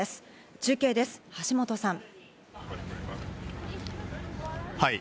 中継です、橋本さん。